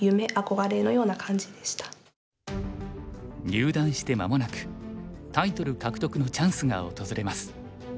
入段して間もなくタイトル獲得のチャンスが訪れます。